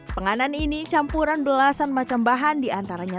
penganan ini campuran belasan macam bahan diantaranya